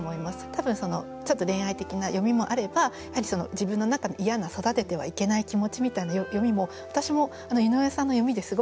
多分ちょっと恋愛的な読みもあればやはり自分の中の嫌な育ててはいけない気持ちみたいな読みも私も井上さんの読みですごく気付かされたところが。